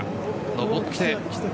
上って。